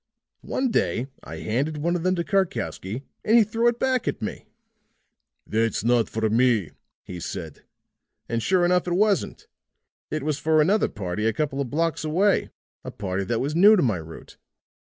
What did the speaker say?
"One day I handed one of them to Karkowsky, and he threw it back at me. "'That's not for me,' he said. And sure enough it wasn't. It was for another party a couple of blocks away a party that was new to my route.